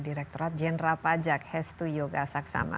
direkturat jenera pajak hestu yogasaksama